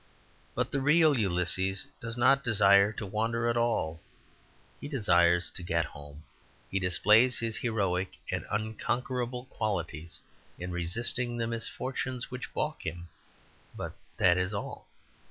But the real Ulysses does not desire to wander at all. He desires to get home. He displays his heroic and unconquerable qualities in resisting the misfortunes which baulk him; but that is all.